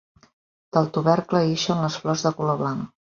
Del tubercle ixen les flors de color blanc.